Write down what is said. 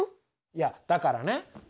いやだからね